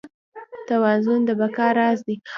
توازن د بقا راز دی.